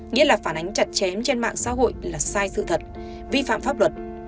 nghĩa là phản ánh chặt chém trên mạng xã hội là sai sự thật vi phạm pháp luật